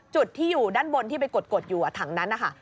จุดที่อยู่ด้านบนที่ไปกดอยู่ถังนั้นนะคะ